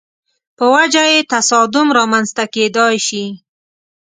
په وجه یې تصادم رامنځته کېدای شي.